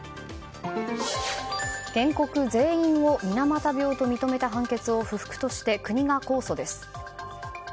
原告全員を水俣病と認めた判定を不服として、国が控訴です。